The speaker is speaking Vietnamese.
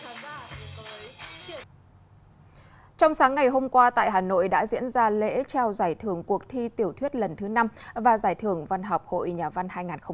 trong sáng ngày hôm qua tại hà nội đã diễn ra lễ trao giải thưởng cuộc thi tiểu thuyết lần thứ năm và giải thưởng văn học hội nhà văn hai nghìn hai mươi